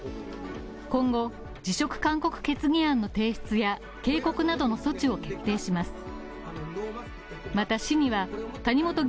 今後、辞職勧告決議案の提出や警告などの措置を決定します。